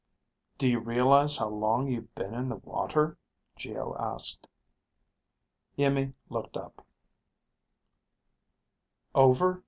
"Do you realize how long you've been in the water?" Geo asked. Iimmi looked up.